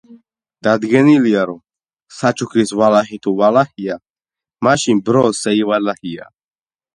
დადგენილია, რომ საჩუქრის დაპირება წარმოშობს ჩუქების ვალდებულებას მხოლოდ მაშინ, თუ იგი წერილობითი ფორმითაა დადებული.